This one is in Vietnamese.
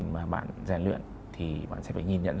mà bạn rèn luyện thì bạn sẽ phải nhìn nhận